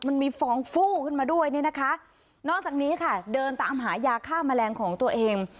มันมีฟองฟู้ขึ้นมาด้วยเนี่ยนะคะนอกจากนี้ค่ะเดินตามหายาฆ่าแมลงของตัวเอง